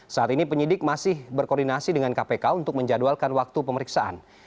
saat ini penyidik masih berkoordinasi dengan kpk untuk menjadwalkan waktu pemeriksaan